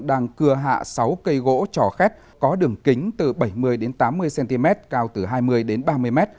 đang cưa hạ sáu cây gỗ trò khét có đường kính từ bảy mươi đến tám mươi cm cao từ hai mươi ba mươi m